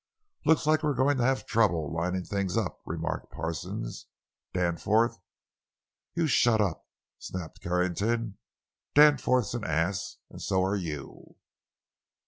"Looks like we're going to have trouble lining things up," remarked Parsons. "Danforth——" "You shut up!" snapped Carrington. "Danforth's an ass and so are you!"